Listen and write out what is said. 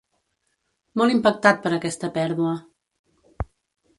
Molt impactat per aquesta pèrdua.